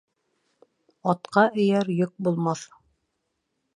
Атҡа эйәр йөк булмаҫ.